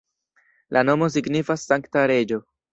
La nomo signifas sankta reĝo.